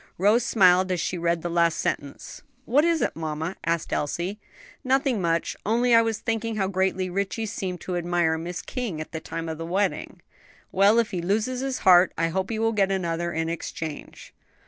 Rose smiled as she read the last sentence. "What is it, mamma?" asked Elsie. "Nothing much; only I was thinking how greatly Ritchie seemed to admire Miss King at the time of the wedding." "Well, if he loses his heart I hope he will get another in exchange."